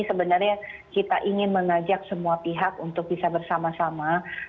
sebenarnya kita ingin mengajak semua pihak untuk bisa bersama sama